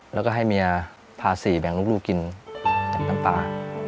แล้วก็ให้เมียพาสี่แบ่งลูกกินแบ่งน้ำปลา